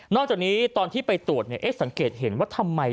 จากนี้ตอนที่ไปตรวจเนี่ยเอ๊ะสังเกตเห็นว่าทำไม